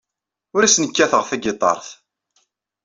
Ur asen-kkateɣ tagiṭart.